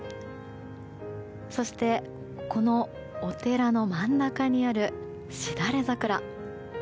そして、このお寺の真ん中にあるシダレザクラ。